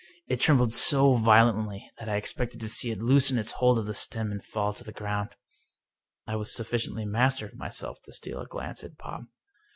It trembled so vio lently that I expected to see it loosen its hold of the stem and fall to the ground. I was sufficiently master of myself to steal a glance at Bob.